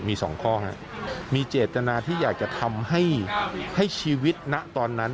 มีสองข้อครับมีเจตนาที่อยากจะทำให้ให้ชีวิตณตอนนั้น